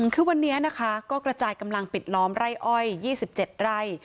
คือวันนี้นะคะก็กระจายกำลังปิดล้อมไร่อ้อย๒๗ไร่